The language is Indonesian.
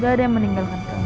gak ada yang meninggalkan kamu